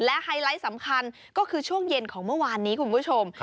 และไฮไลท์สำคัญก็คือช่วงเย็นของเมื่อวานนี้คุณผู้ชม